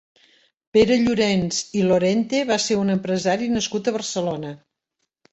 Pere Llorens i Lorente va ser un empresari nascut a Barcelona.